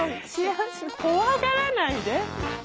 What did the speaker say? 怖がらないで。